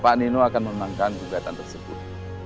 pak nino akan memenangkan gugatan tersebut